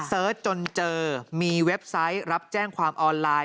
เสิร์ชจนเจอมีเว็บไซต์รับแจ้งความออนไลน์